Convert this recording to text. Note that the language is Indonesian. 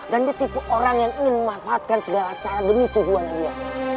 dan dia tipe orang yang ingin memanfaatkan segala cara demi tujuannya dia